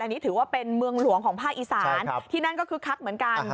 อันนี้ถือว่าเป็นเมืองหลวงของภาคอีสานที่นั่นก็คึกคักเหมือนกัน